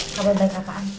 kabar baik apaan